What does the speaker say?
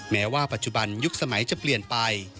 แม้ว่าปัจจุบันยุคสมัยจะเปลี่ยนไป